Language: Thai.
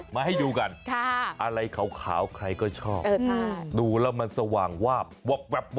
มาให้ดูกันอะไรขาวใครก็ชอบดูแล้วมันสว่างวาบวาบ